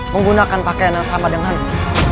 menggunakan pakaian yang sama dengan